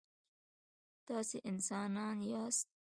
تاسي انسانان یاست.